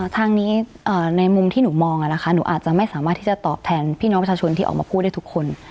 ทางนี้ในมุมที่หนูมองนะคะหนูอาจจะไม่สามารถที่จะตอบแทนพี่น้องประชาชนที่ออกมาพูดได้ทุกคน